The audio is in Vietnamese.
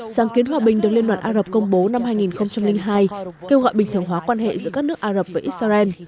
sáng kiến hòa bình được liên đoàn á rập công bố năm hai nghìn hai kêu gọi bình thường hóa quan hệ giữa các nước ả rập với israel